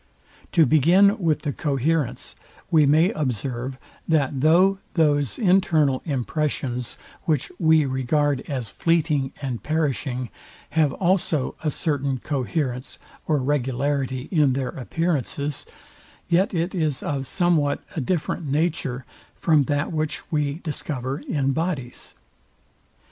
To begin with the coherence; we may observe, that though those internal impressions, which we regard as fleeting and perishing, have also a certain coherence or regularity in their appearances, yet it is of somewhat a different nature, from that which we discover in bodies.